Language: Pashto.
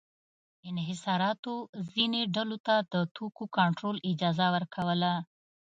انحصاراتو ځینو ډلو ته د توکو کنټرول اجازه ورکوله.